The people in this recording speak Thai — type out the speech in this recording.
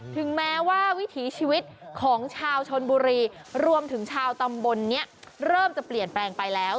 ถึงแม้ว่าวิถีชีวิตของชาวชนบุรีรวมถึงชาวตำบลนี้เริ่มจะเปลี่ยนแปลงไปแล้ว